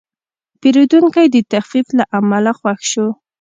پیرودونکی د تخفیف له امله خوښ شو.